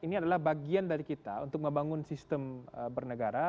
ini adalah bagian dari kita untuk membangun sistem bernegara